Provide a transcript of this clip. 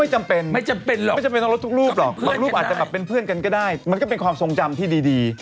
ไม่ใช่เรื่องหรอกว่าไม่จำเป็นต้องรับทุกรูปหรอกมักรูปอาจจะเป็นเพื่อนกันก็ได้มันก็เป็นความทรงจำที่ดี